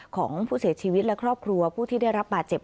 ของผู้เสียชีวิตและครอบครัวผู้ที่ได้รับบาดเจ็บ